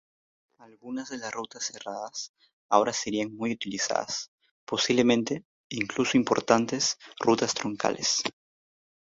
Algunas de las rutas cerradas ahora serían muy utilizadas, posiblemente, incluso importantes rutas troncales.